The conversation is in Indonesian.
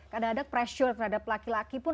kadang kadang pressure terhadap laki laki pun